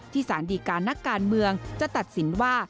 สารดีการนักการเมืองจะตัดสินว่า